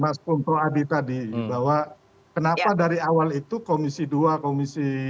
saya sepakat sama mas kuntro adi tadi bahwa kenapa dari awal itu komisi dua komisi enam